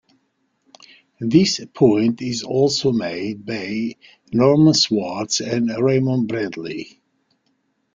This point is also made by Norman Swartz and Raymond Bradley.